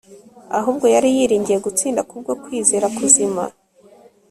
ahubwo yari yiringiye gutsinda kubwo kwizera kuzima